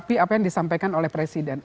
tapi apa yang disampaikan oleh presiden